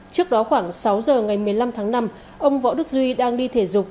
trước đó khoảng sáu giờ ngày một mươi năm tháng năm ông võ đức duy đang đi thể dục